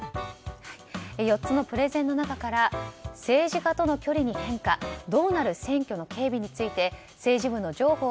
４つのプレゼンの中から政治家との距離に変化どうなる選挙の警備について政治部の上法